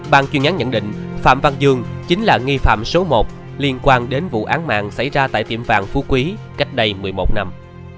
bàn chuyên án nhận định phạm văn dương chính là nghi phạm số một liên quan đến vụ án mạng xảy ra tại tiệm vàng phú quý cách đây một mươi một năm